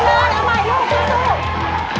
เกี่ยวหน่อยอ้าวใหม่วิ่งวิ่งโอเค